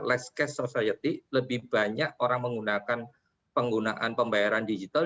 less cash society lebih banyak orang menggunakan penggunaan pembayaran digital